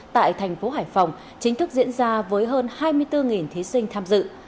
tại thành phố hải phòng chính thức diễn ra với hơn hai mươi bốn thí sinh tham dự